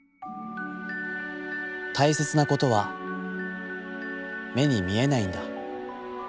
たいせつなことは、目に見えないんだ』。